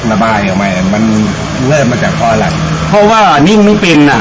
ระบายออกมามันเริ่มมาจากเพราะอะไรเพราะว่านิ่งไม่เป็นอ่ะ